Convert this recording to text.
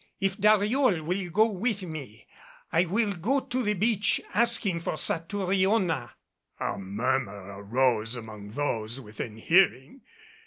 If Dariol will go with me, I will go to the beach asking for Satouriona " A murmur arose among those within hearing.